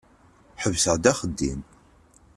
Ḥebseɣ-d axeddim.